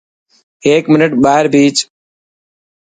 هيڪ منٽ ٻاهر ڀيچ.